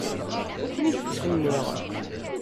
Ur ten-id-ttsemmiɣ.